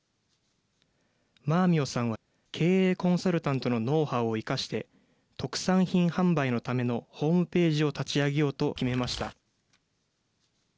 マーミヨさんは経営コンサルタントのノウハウを生かして特産品販売のためのホームページを立ち上げようと決めました。